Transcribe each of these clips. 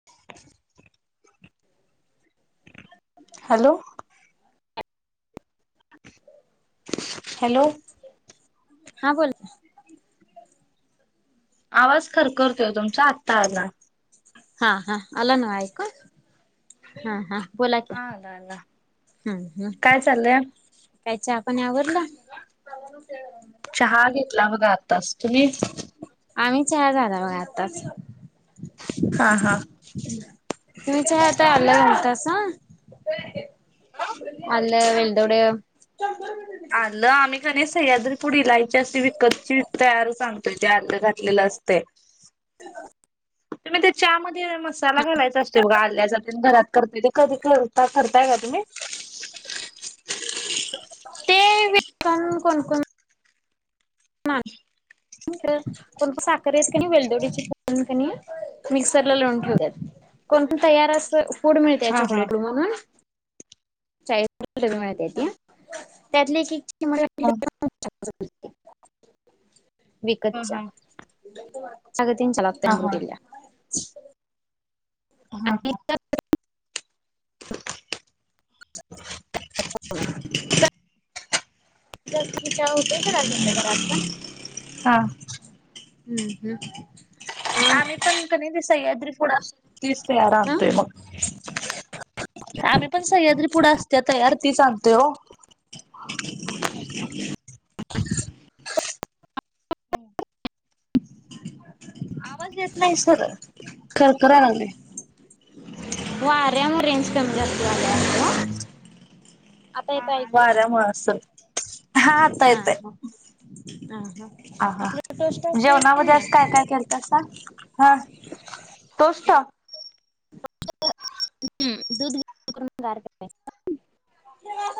[inaudible] Hello hello हा बोल ना आवाज खर खरतोय तुमचा आत्ता आला हा हा अला नव्ह ऐकु हा हा बोला क्या हा आला आला हं हं काय चाललंय? काय चहा पाणी आवरल? [inaudible] चहा घेतला बघा आत्ताच तुम्ही आम्ही चहा झाला बघा आताच हा हा तुम्ही चहात आल्ल घालतासा आल, वेलदोडे आलं आम्ही क नाय सह्याद्री पुडी इलायची अशी विकतची तयारच आण त्याच्या आलं घातलेलं असतय. तुम्ही ते चहामध्ये मसाला घालायचा असतोय बघा आल्याचा तेनं घरात करतोय ते कधी करता करताय काय तुम्ही? ते विक-ण कोणकोण कोण कोणं साखरेच कनय वेलदोडीची पुड कणी मिक्सर ला लावून ठेवत्यात. कोण कोण तयार अस पुड मिळते हा हा चॉकलेट म्हणून चाळीस रुपया ला मिळते ती त्यातली हा [unintelligible] हा विकतच्या हा अग त्यांच्या हा लागतंय अमृत्युल्या हा हा [unintelligible] [unintelligible] [unintelligible] चहा होतंय का [unintelligible] हा हम्म-हम्. आम्ही पण कणी सह्याद्री पुुडा तीस तयार रा अ आणतोय मग. आम्ही पण सह्याद्री पुढं असत्या तयार तीच आणते हो. अछ [unintelligible] हम्म. आवाज येत नाही सरळ, खराखराला लय. वाऱ्या मूळ मोरें कमी जास्त वाल्या. [inaudible] [inaudible] हा ऐकू? वाऱ्यामुळे असल, हा आता येतोय. हा हा आ हा, आपलं टोस्ट असतंय की जेवणामध्ये आज नाही काय-काय केल तसा, हा टोस्ट. [unintelligible] दूध घ आहे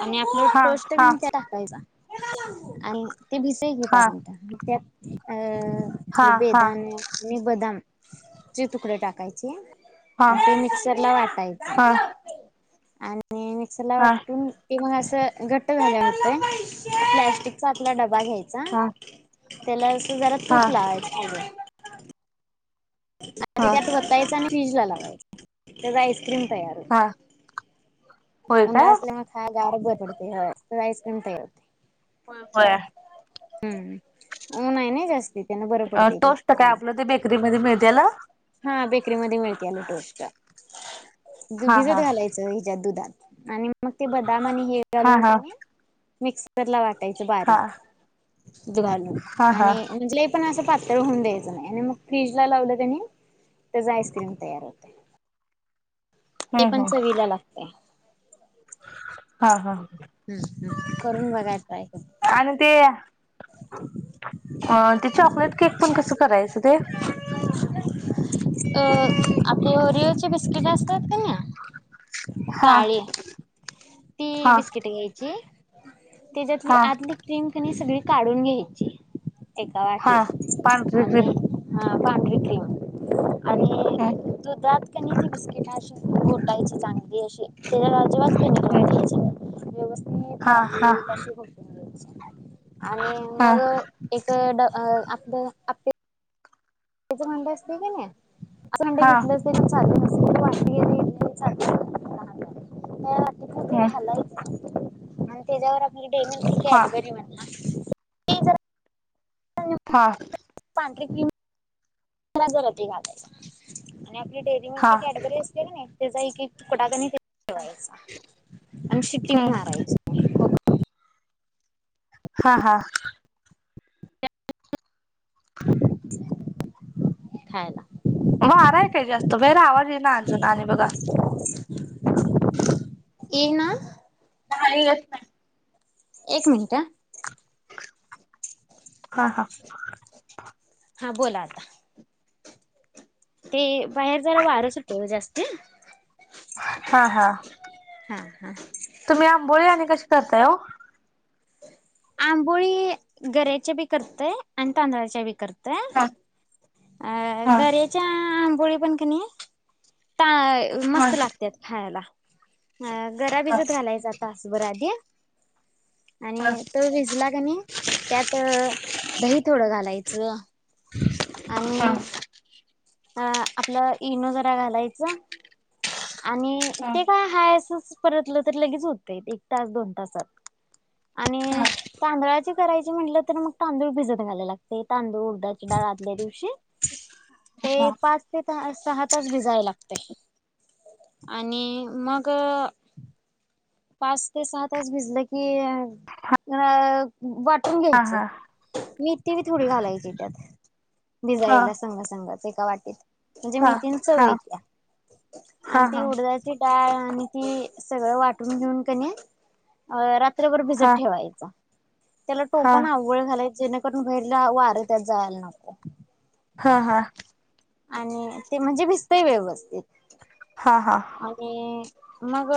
आणि आपलं हा कोष्ट हा कणी त्यात टाकायचा. आणि ते भिसळ की हा पाच मिनिट त्यात अ हा आपलं हा हा बेदान आणि बदामचे तुकडे टाकायचे हा आणि ते मिक्सरला वाटायच हा आणि मिक्सरला हा वाटून ते मग असं घट्ट झाल्या वणी होतंय, प्लॅस्टिकचा आपला डबा घ्यायचा हा त्याला असं जरा तूप लावायचं पाजे आणि ते हा आत वातायचे आणि फ्रीज लावायचं, त्याचा आइस्क्रीम तयार हो अ उन्हाळा असल्यामुळे खायला गार बर पडतंय, होय खरं आइस्क्रीम हो होय. हम्म, ऊन हाय ना जास्ती त्यानं बरं पडतंय ते टोस्ट काय खायला. आपलं ते बेकरीमध्ये मिळतेला. हा बेकरी मध्ये मिळत्या ल टोस्ट, हा हा भिजत घालायच दुधात आणि मग ते बदाम आणि हे हा घालून हा त्या म्स वाटायच हा बारीक, दूध घालून हा हा आणि म्हणजे पण असं पातळ होऊन द्यायचं नाही, आणि मग फ्रीज लावलं त्यानी त्याच आइस्क्रीम तयार होत. ते हम्म पण हम्म चवीला लागते. हा-हा हम्-हम्म करून बघाय पाहिजे. आणि ते, अ ते चॉकलेट केक पण कसं करायचं ते अ आपल ओरियो ची बिस्किट असतात कानी. हा काळी ती हा बिस्किट घ्यायची, त्याच्यातली हा आतली क्रीम काणी सगळी काढून घ्यायची एका हा वाटेत, पांढरी आणि क्रीम हा पंढरी क्रीम हम्म आणि हम्म दुधात कनि ती बिस्किटशी अशी कुटायचे चांगली कणी लावून हम्. व्यवस्थित बारीक कशी खपून घ्यायची आणि हा मग एक ड ह आप आपलं मंडळ असते कानी, आस मंडळ हा घेत त चालू असेल अ वाटू आणि चालू झाला. हम्म आणि तेच्यावर आपली डेरेमिल्क हा कॅडबरी म हा, पांढरी की [unintelligible] आणि आपली डेरी मिल्क हा कॅडबरी असते कणेय, त्याचा एकेक तुकडा कणी ठेवायचा, आणि शिट्टी हम्म मारायची हा हा [inaudible] खायला वाराय की जास्त, जरा आवाज येईना अजून आणि बघा ये ना नाही, येत नाही. एक मिनटं हं हा हा हा बोला आता. ते, बाहेर जरा वार सुटलय ओ जास्ती. हा हा हा हा तुम्ही आंबोळी आणि कशी करताय ओ आंबोळी गऱ्याच्या बी करतय, आणि तांदळाच्या बी करतय. हा तय अं हा गरीत च्या आंबोळी पण कनी ता हा मस्त लागत्यात खायला. ह गरा भिजत घालायचा तास बरं आधी, आणि विजला गणी त्यात दही थोडं घालायचं. आणि अ आपला इनो जरा घालायच. आणि ते काय हाय असच परतलं तर लगेच होतय एक तास दोन तासात आणि तांदळाची करायची म्हणलं तर मग, तांदूळ भिजत घालाय लागते. तांदूळ उडदाची डाळ आदल्या दिवशी ते पाच ते तहा, सहा तास भिजायं लागतयं. आणि मगं अं पाच ते सहा तास भिजलं की, अ वाटुन घ्यायचं, मीथी बी थोडी घालायची त्यात हा हा भिजायला स संंग संगच एका वाटित म्हणजे हा हा हा हा हा हा हा मेथीन चव येतीया आणि हा ती हा उडदाची डाळ आणि ती, सगळं वाटून घेऊन कणी, अं रात रात्रभर भिजत हा ठेवायचा, त्याला हा टोपण आव वळ घालायचे जेणे करून भैरला वार त्यात जायाला नको. हा हा आणि ते म्हणजे भिस्तय व्यवस्थित. हा हा. आणि, मग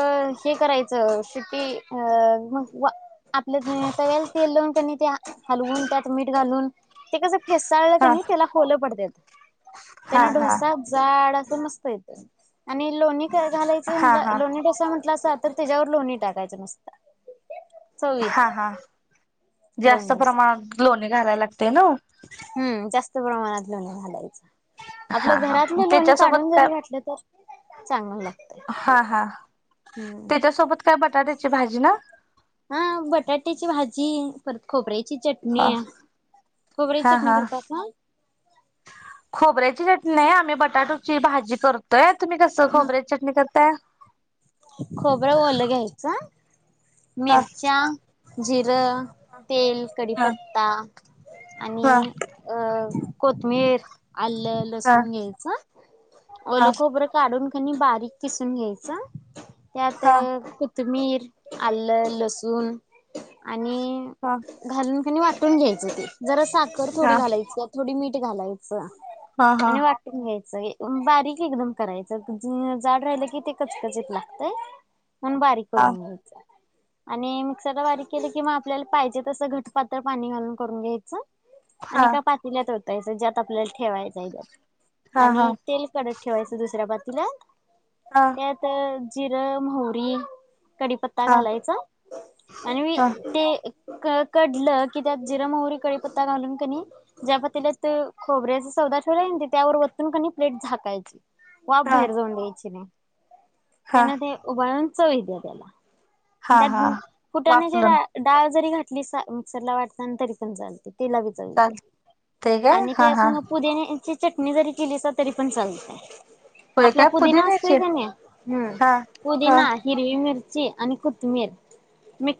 हे करायचं, शिटी अ मग वा आपलं तव्यावर तेल लावुन कणी त्या हलवून त्यात मीठ घालून ते कस हेस्साल हा कनी त्याला होलं पडत्यात. हा त्यान हा ढोसा जाड असं मस्त येतंय, आणि लोणी क घालाय च हा म्ह हा लोणी ढोसा म्हंटलासा, तर त्येज्यावर लोणी टाकायचं मस्त, चव हा येत्या. हा जास्त प्रमाणात लोणी घालायला लागतेय ना व हम्म, जास्त प्रमाणात लोणी घालायचं. हा आपलं हा घरातलं लोणी त्याच्यासोबत काढून काय जरी घातलं तर चांगलं लागतंय. त्येच्यासोबत काय बटाट्याची भाजी ना? हा बटाट्याची भाजी, परत खोबऱ्याची चट हा म्या... खोबऱ्याची हा चटणी हा करतासा? खोबऱ्याची चटणी नय, आमी बटाटूची भाजी करतोय... तुमी कसं ह खोबऱ्याची चटणी करताय? खोबरं ओलं घ्यायचं... हा मिरच्या जिरं, तेल, हा कडिपत्ता... हा आणि अं... कोथमिर.. आलं, हा लसून घ्यायचं... हा ओलं खोबरं काढून कनी, बारीक किसून घ्यायचं त्यात.. हा कूतमिर, आलं, लसूण आणि हां. घालून कनी वाटून घ्यायचं ते... जरा साखर थोडी हा घालायचं... थोडी मीट घालायचं हा हा आणि वाटून घ्यायचं... बारीक एकदम करायचं... जाड राहिलं कि ते कचकचित लागतं तय... म्हणून बारीक हा करून घ्यायचं. आणि मिक्सरला बारीक केलं कि मग आपल्याला पाहिजे तसं घटपातळ पाणी घालून करून घ्यायचं. आणि हा एका पाातल्यात ओतायचं ज्यात आपल्याला ठेवायचं आहे त्यात... हा हा आणि तेल कडत ठेवायचं दुसऱ्या पातेल्यात हा. त्यात जिरं... मोहरी कडीपत्ता हा घालायचा... आणि वी... ते क... कडलं... की त्यात जिरं, मोहरी, कळीपत्ता घालून कनी ज्या पातेल्यात खोबऱ्याचा सौदा ठेवलाय नं... त्यावर वतून क... नी प्लेट झाकायचं. वाफ हा बाहेर जाऊन द्यायची नाय. हा त्याने ते उबाळून चव येतीया त्याला... हा त्यात हा फुटाण्याची वाफलून डाळ डाळ जरी घातलीस ना मिक्सरला वाटताना... तरी पण चालतं... तिला बी चालतंय... चालते काय आणि हा त्याच्या हा संग पुदिन्याची चटणी जरी केलीसा... तरी पण चालतय... होय आपला काय पुदिना असतोय पुदिन्याची का नाई... हम्म. हा हा पुदिना... हिरवी मिरची आणि कोथमिर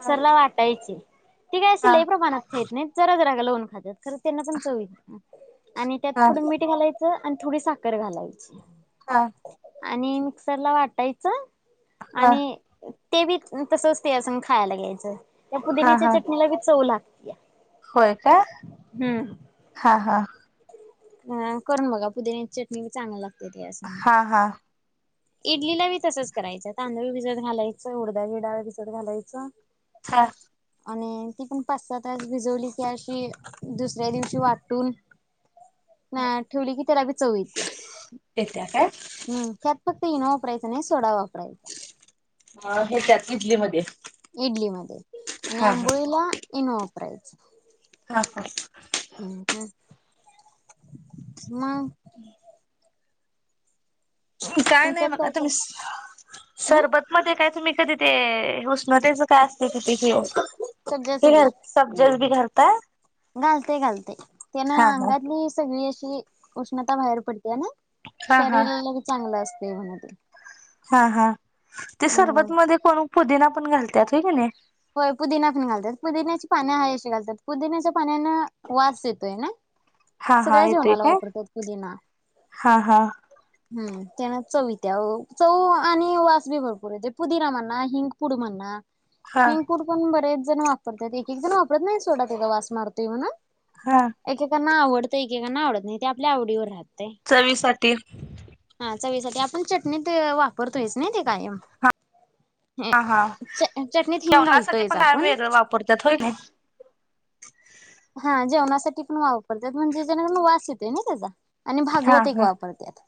हा वाटायची. ते काय असं... हा लय प्रमाणात खात नाई... जरा जरा लवून खात्यात. खरं त्याने पण चव येती. आणि त्यात हा थोडं मीठ घालायचं... आणि थोडी साखर घालायची. हा. आणि मिक्सरला वाटायचं हा आणि ते बी तसंच त्यासंग खायला घ्यायचं. त्या हा पुदिन्याच्या हा चटणीला बी चव लागतीया. होय का? हा हा. अं... करून बघा... पुदिन्याची चटणी चांगली लागते त्या संग. हा हा इडलीला बी तसंच करायचं... तांदूळ भिजत घालायचं. उडदाची डाळ भिजत घालायचं हा. आणि ती पण पाच सहा तास भिजवली की अशी दुसऱ्या दिवशी वाटून ठेवली की त्याला बी चव येतीया. येत्याय काय? हम्म... त्यात फक्त इनो वापरायचा नाई... सोडा वापरायचा. अं... हेच्यात.. इडलीमध्ये इडलीमध्ये आणि आंबोळीला इनो वापरायचं. हा का? हम्म [inaudible] मग. [inaudible] काय नाय तुमच्यात मग आता, कर मिस हं सरबत मध्ये काय तुम्ही कधी ते, उष्णतेचं काय असते तिथे घ हे सब्जाचं बी घाल, सब्जस बी घालताय? घालतय, घालतय, त्यानं हा हा अंगातली सगळी अशी उष्णता बाहेर पडते आणि हा हा शरीराला बी चांगलं असतय, म्हना ते. हां हां, ते हम्म सरबत मध्ये कोण पुदिना पण घालत्यात, होय की नही? होय पुदिना पण घालत्यात, पुदिन्याची पानं आहे अशी घालतात, पुदिन्याच्या पाण्यान वास येतोय ना? हां हां सगळ्या येतोय जेवणाला काय? वापरतात पुदिना हां हां. हम्म. त्यान चव ईत्या व चवू आणि वासबी भरपूर येतो, पुदिना म्हणा, हिंंगपूड म्हना. हा हिंगपुड पण बरेच जण वापरतात, एक-एक जण वापरत नही, सोडा ते वास मारतोय म्हणून. हां. एक एकांना आवडत, एककांना आवडत नही, ते आपल्या आवडीवर राहतय. चवीसाठी हां चवीसाठी, आपण चटणीत वापरतोयच ना, ते कायम. हे हां हां चटणीत हिंग जेवणासाठी घालतोयच पण काय आपण वेगळं वापरत्यात होय ना? हां जेवणासाठी पण वापरत्यात, म्हणजे जेनुअन वास येतोय ना त्याचा. आणि हा भागवत एक हा वापरत्यात,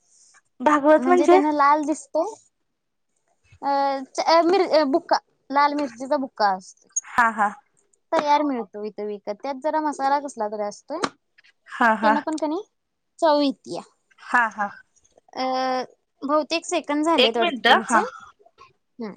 म्हणजे त्यांन लाल दिस [unintelligible] अ च मिर अ बुक्का, लाल मिरचीचा बुक्का असत. हां हां. तयार मिळतो इथं विकत, त्यात जरा मसाला कसला तरी असतोय. हा हा त्यांन पण कनी, चव येतीया. हां हां. अ बहुतेक सेकंद झालेत, एक वाटतं मिनिट हा तुमचे. ह्म.